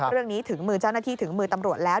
ถึงมือเจ้าหน้าที่ถึงมือตำรวจแล้ว